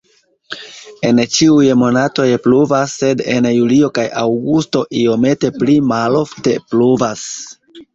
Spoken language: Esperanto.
En ĉiuj monatoj pluvas, sed en julio kaj aŭgusto iomete pli malofte pluvas.